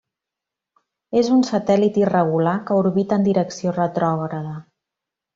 És un satèl·lit irregular que orbita en direcció retrògrada.